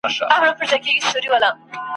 چي ګوربت د غره له څوکي په هوا سو ..